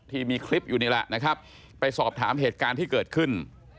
ที่มีคลิปอยู่นี่แหละนะครับไปสอบถามเหตุการณ์ที่เกิดขึ้น